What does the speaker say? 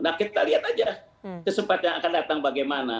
nah kita lihat aja kesempatan yang akan datang bagaimana